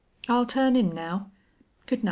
I'll turn in now. Good night."